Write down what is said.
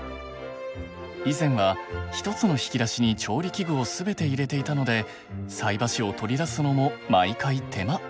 以前は１つの引き出しに調理器具を全て入れていたので菜箸を取り出すのも毎回手間。